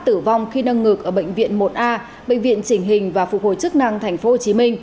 tử vong khi nâng ngực ở bệnh viện một a bệnh viện chỉnh hình và phục hồi chức năng tp hcm